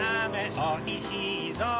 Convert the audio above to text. おいしいぞ